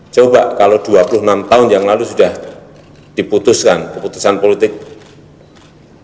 coba kalau dua puluh enam tahun yang lalu sudah diputuskan keputusan politik